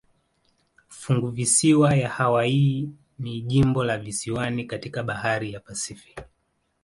Funguvisiwa ya Hawaii ni jimbo la visiwani katika bahari ya Pasifiki.